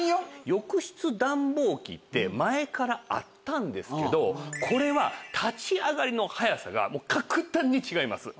浴室暖房機って前からあったんですけどこれは立ち上がりの早さが格段に違います。